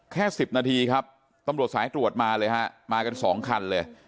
แค่๑๐นาทีครับตำรวจสายตรวจมาเลยฮะมากันสองคันเลย